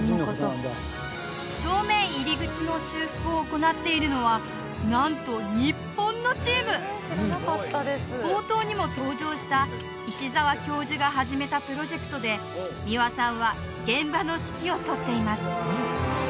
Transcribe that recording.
正面入り口の修復を行っているのはなんと日本のチーム冒頭にも登場した石澤教授が始めたプロジェクトで三輪さんは現場の指揮を執っています